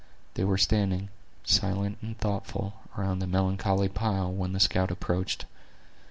They were standing, silent and thoughtful, around the melancholy pile, when the scout approached.